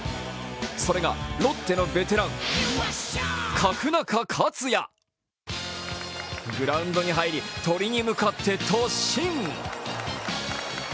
それがロッテのベテラン・角中勝也グラウンドに入り、鳥に向かって突進。